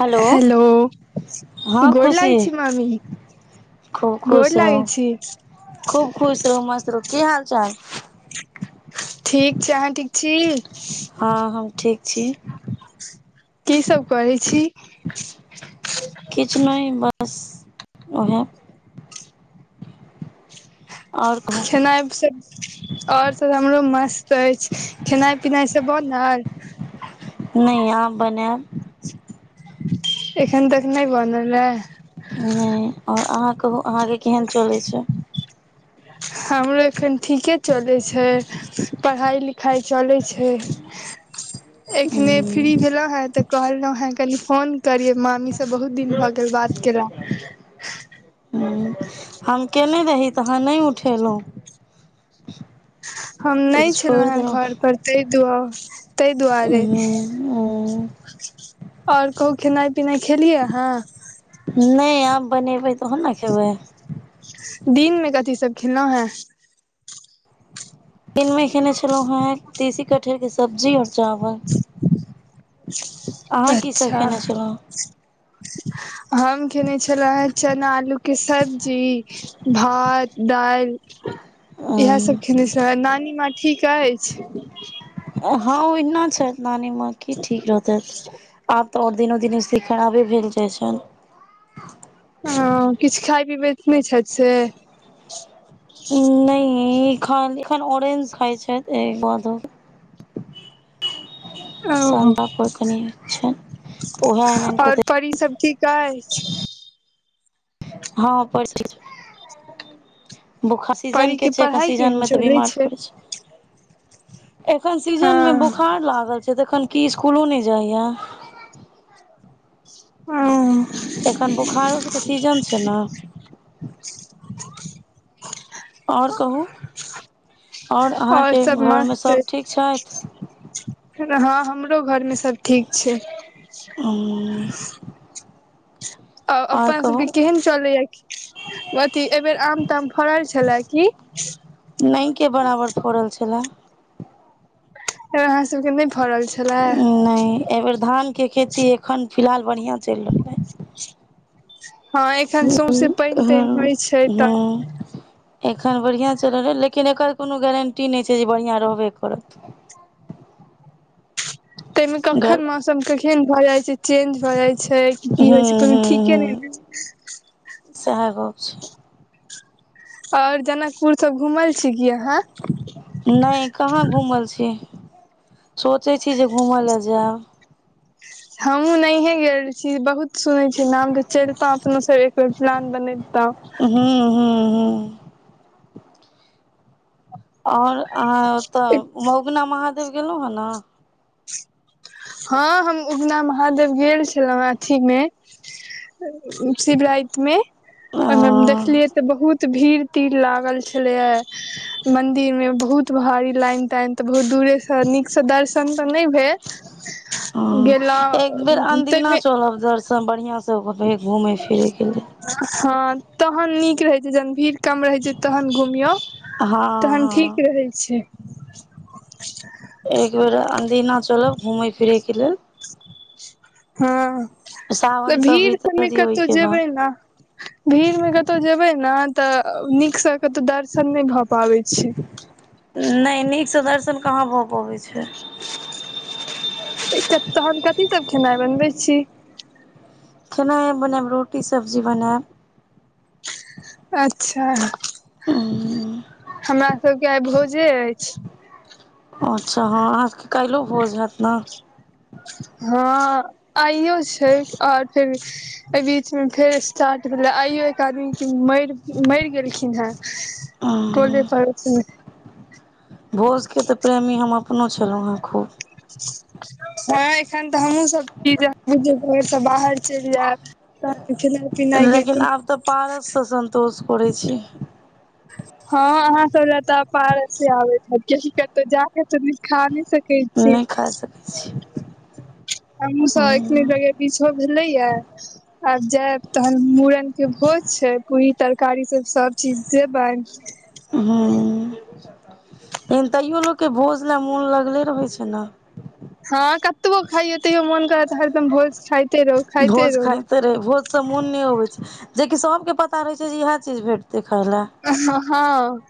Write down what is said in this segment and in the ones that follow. hello हँ गोर लागै खुशी छी मामी खूब गोर खुश लागै रहू छी खूब खुश रहु मस्त रहु की हाल चाल ठीक आहाँ ठीक छी हँ हम ठीक छी की सब करै छी किछ ने बस वएह आओर कहू खेनाय से और सब हमरो मस्त अछि खेनाई पिनाय से बनल नइ आब बनैब एखन तक नहि बनल हे नहि आओर अहाँ कहू अहाँके केहन चलै छै हमरो एखन ठीके चलै छै पढ़ाइ लिखाइ चलै छै एखने हूँ, फ्री भेलहु हेँ तऽ कहलहु हेँ कनि फोन करिय मामी सब से बहुत दिन भऽ गेल बात केला ह्म हम केने रही तऽ अहाँ नहि उठेलहुँ हम तऽ नहि छलहुँ छोड़ि हे देलहुँ घर पर त्ये ताहि दुआरे ओर कहूँ खेनाइ पिनाइ खेलियै अहाँ ने आब बनेबै तहन ने खेबै दिन में कथी सब खेलो है दिनमे खेने छलहुँ हेँ तीसी कठहरके सब्जी आओर चावल [inaudible] अहाँ की सब अच्छा खेने छलहुँ हम खेने छलहु हे चना आलू के सब्जी भात दाल इहे सब हँ खेने छी त नानी माँ ठीक अछि हाँ ओहिना छैथ नानी माँ की ठीक रहतै आब तऽ आओर दिनो दिनसे खराबे भेल जाइ छनि ह किछु खाय पीबैत नहि छै से नहि खाल एखन ऑरेंज खाय छै ए ब ओ शानतापुर कनि छै तऽ उएह आनि आओर आनिकऽ परी सब ठीक अछि हँ पर स ठीक छै बोखार परी सीजनके के छै एखन पढ़ाइ केहन सीजनमे तऽ चलै बिमार छै पड़ै छै एखन सीजन मे हँ बोखार लागल छै तऽ एखन की स्कुलो नहि जाइया हुं एखन बोखारो सभ के सीजन छै ने आओर कहू आओर अहाँके घरमे सभ ठीक छथि हाँ हमरो घर मे सभ ठीक छै ह [inaudible] आ [inaudible] आ आओर अपन सबके कहू केहन चलैया अथी एहि बेेर आम ताम फड़ल छलए की नै के बराबर फड़ल छलए एबेर अहाँ सबके नहि फरल छलए नइ एहिबेर धानके खेती एखन फिलहाल बढ़िआँ चैल रहलै हँ एखन सौंसे पानि तानि हँ होइ छै त हँ एखन बढ़िया चलल रहै लेकिन एकर कोनो गारंटी न छै जे बढ़िया रहबे करत ताहि मे ग कखन मौसम केखन भऽ जाइ छै चेंज भऽ जाइ छै हूँ की होइ छै हूँ कोनो ठीके नहि ल हूँ छै सएह गप छै और जनकपुर सब घुमल छी की अहाँ नहि कहाँ घूमल छी सोचे छी जे घूम ल जायब हमहुँ नहिए गेल छी बहुत सुनै छी नाम तऽ चलितो अपनो सब एक बेर प्लान बनेल त हं हं हं और अहाँ ओतऽ मगुना महादेव गेलहुं हे ने हँ हम उगना महादेव गेल छलहुँ अथीमे शिवराति मे ओमे ने देखलियै तऽ बहुत भीड़ तीड़ लागल छलेय मंदिर मे बहुत भारी लाइन ताइन तऽ बहुत दूरे से नीक से दर्शन तऽ नहि भेल हूँ एक बेर गेलहुँ अनदिना ताहिमे चलल दर सब बढ़िआँसँ घुमै फिरैके लेल हँ तहन नीक रहै छै जन भीड़ कम रहै छै तहन घुमियौ हँ तहन हँ ठीक रहै छै एक बेेर अदिना चलब घूमय फिरे के लेल हँ त सावन सब भीड़ त बीतऽ न दियौ कतो ओहिके बाद जेबै ने भीड़ मे कतहु जेबै ने तऽ नीकसँ कतहु दर्शन नहि भऽ पाबै छी नै नीक से दर्शन कहाँ भ पबै छै एकत तहन कथी सब खेनाइ बनबै छी खेनाइ बनायब रोटी सब्जी बनायब अच्छा ओ [inaudible] हमरा सबके आइ भोजे अछि अच्छा हँ अहाँ सबके कालिहो भोज होयत ने हँ आइयो छै ओर फेर एहि बीच मे फेर स्टार्ट भेले आइयो एक आदमी के मर मर गेलखिन हैं [unintelligible] भोजके त प्रेमी हम अपनो छलहुँ है खूब हँ एखन तऽ हमहुँ सब छी जे घर त बाहर चैल जायब तहन खेनाइ पिनाइ के लेकिन कोनो आब तऽ पारससँ सन्तोष करै छी हँ अहां सब लए तऽ आब पारसे आबे हाएत कतौ जाके त नि खानी से नै खा सकैत छी हमूँ सब एखने जगह बिझो भेलैय आब जायब तहन मुड़नके भोज छै पूरी तरकारी सब सभ चीज देबन हन तैयो लोकके भोज ल मोन लगले रहै छै ने हँ कतबो खैयौ तैयो मोन करत एकदम भोज खायत भोज खाइते रही भोज से मोन नहि होबे छै जेकि सब के पता रहे छै जे इएह चीज भेटते खाय ले ह ह हाँ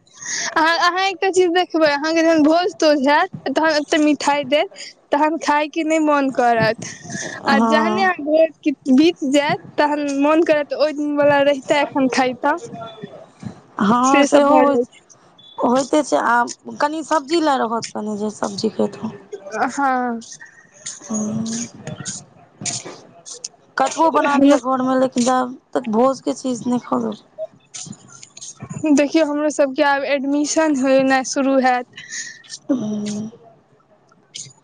अहां अहां चीज देखबै अहाँके जहन भोज तोज होयत तहन एते मिठाइ देत तहन खायके नहि मन करत आ जहने हँ अहाँ भ कीत बीत जायत तहन मोन करेत ओ वाला रही हँ से सब सेहो भऽ होइ जाइ छै होइते छै आ कनि सब्जी लए रहत कनि जैसे सब्जी खेत हँ हूँ कतबो बना लिया घर मे लेकिन जाब तक भोज के चीज नै खाउ न [unintelligible] देखियौ हमरोसभके आब एडमिशन होनाइ शुरू हेत हूँ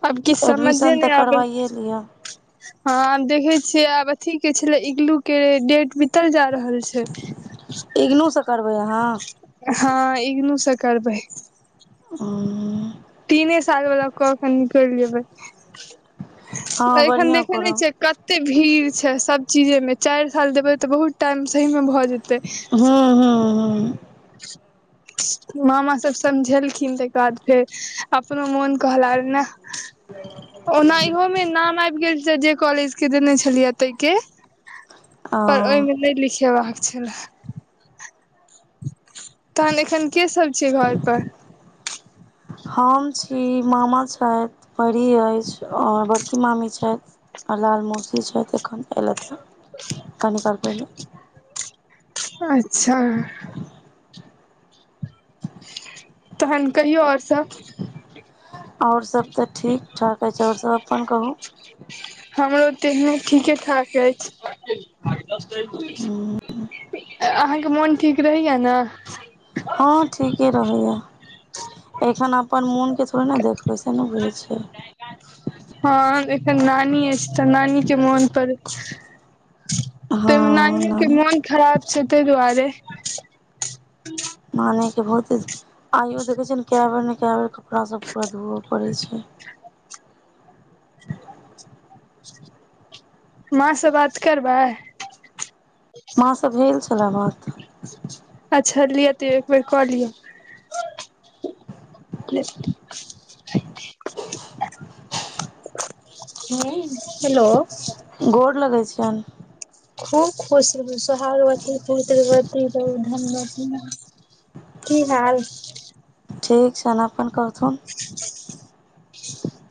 अब किछ समझे एडमिशन तऽ ने आबै करबाइए लिअ हँ आब देखे छियै आब अथी के छले इगलू के डेट बीतल जा रहल छै त इगनु सँ करबै अहाँ हँ ईगनू से करबे आ [inaudible] तीने साल वला क के निकेल जेबै हँ एखन बढ़िआँ देखे नहि करब छिय कत एते भीड़ छै सब चीजे मे चार साल देबे ते बहुत टाइम सही मे भए हँ हँ हँ मामा सब समझेलखिन तेकर बाद फेर अपनो मोन ओना इहो मे नाम आब गेल जे कॉलेज के देने छलियै तै के पर ओ ओहिमे नहि लिखेबाक छलए तहन एखन के सब छै घर पर हम छी मामा छथि परी अछि और बड़की मामी छथि आ लाल मौसी छथिऽ एखन एयलथ कनि काल पहिले अच्छा तहन कहियो और सब ओर सब तऽ ठीक ठाक अछि छै ओर सब अपन कहू हमरो तेहन ठीके ठाक अछि अहाँके मोन ठीक रहैया ने हँ ठीके रहले या एखन अपन मोन के थोड़े ने देखबै से ना बुझै छियै हँ एखन नानी अछि तऽ नानी के मोन पर हँ त न के नानी मोन खराब छै तहि दुआरे नानी के बहुते आइयो देखे छै ने क बेर ने कए बेर कपड़ा सब पूरा धोवय पड़े छै [inaudible] माँ से बात करबै महाँ सँ भेल छलए बात अच्छा लिअ तइयो एक बेेर कऽ लिय ले ह हेलो गोर लगै छियनि खूब खुश रहु सोहाग्वती पितृवती रहू धनवती रहु की हाल ठीक छै ने अपन कहथून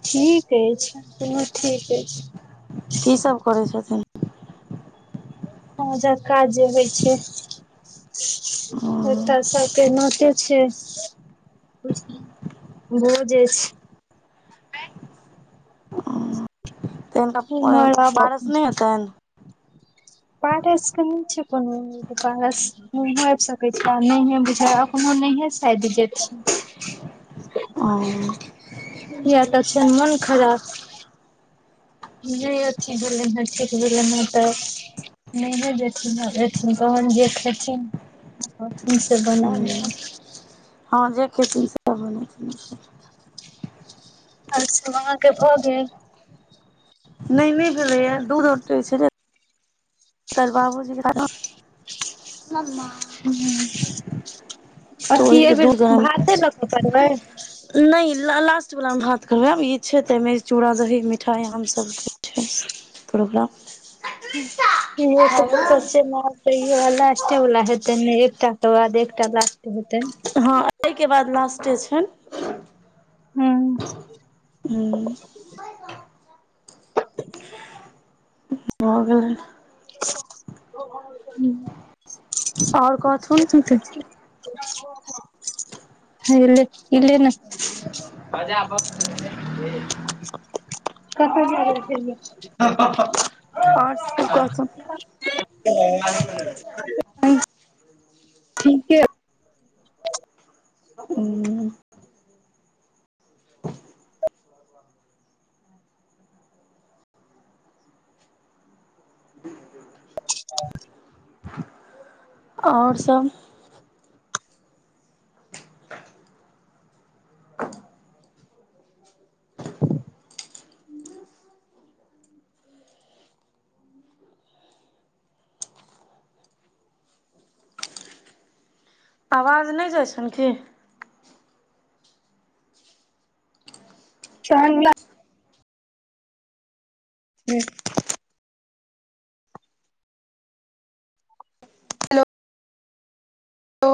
ठीक अछि अपनो ठीक अछि की सभ करै छथिन बुझए काज होइ छै छथिन एतअ सबके नकेस छै भोज अछि तहेंन कटा इम्हर आब पारस नहि हेतनि पारस के नइ छै बनेने पारस तूहो आबि सकै छै नहि बुझाय नहि अपनो सायाद न्हिये जेथिन हेतनि कियै त छैन मन खराब नहि अथि भेल ने ठीक भेल ने तऽ नहि ने जेथि अथिन कहन जेथि कती सब बनाबु हँ जे खेथिन सेह बनेथिन अच्छा अहाँ के भऽ गेल नहि नहि भेलया दूध औटै छै ने [unintelligible] अथी ओहिके एहि बेेर भाते लऽ कऽ पड़बै न लास्ट वाला मे भात करबे आब ई छैे तेमे चूड़ा दही मिठाइ हमसभ के छै प्रोग्राम [unintelligible] तैयो लास्टे वाला हेतनि एकटाे बाद एकटा लास्ट हेतनि हँ एहिके बाद लास्टे छन हू हूँ भऽ गेलै [unintelligible] आओर कहथुन ह्या ले ने [unintelligible] [unintelligible] ओर सब कहथुन [unintelligible] ठीके [inaudible] उंम्म हूम्म [inaudible] जी जी [inaudible] आओर सभ आवाज नहि जाइ छनि की चंदा ह्म ओ [inaudible]